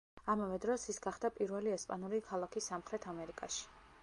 ამავე დროს ის გახდა პირველი ესპანური ქალაქი სამხრეთ ამერიკაში.